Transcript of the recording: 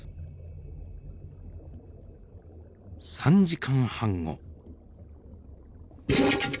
３時間半後。